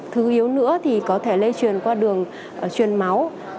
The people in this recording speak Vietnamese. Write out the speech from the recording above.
thứ yếu nữa thì có thể lây truyền qua đường truyền máu